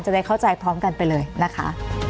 ได้เข้าใจพร้อมกันไปเลยนะคะ